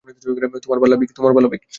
তোমার পালা, পিগ।